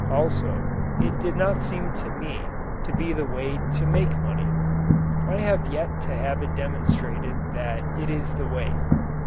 Also it did not seem to me to be the way to make money. I have yet to have it demonstrated that it is the way.